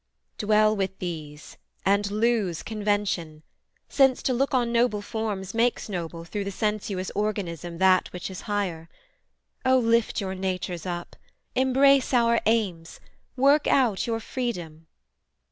Dwell with these, and lose Convention, since to look on noble forms Makes noble through the sensuous organism That which is higher. O lift your natures up: Embrace our aims: work out your freedom.